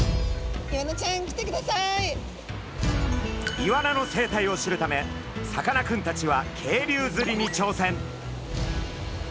イワナの生態を知るためさかなクンたちは渓流釣りにちょうせん。